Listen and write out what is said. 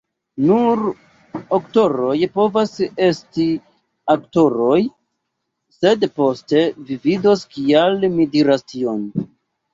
"Nur aktoroj povas esti aktoroj." sed poste, vi vidos kial mi diras tion.